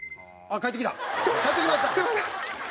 帰ってきました。